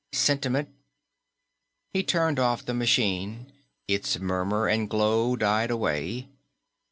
Sentiment " He turned off the machine, its murmur and glow died away.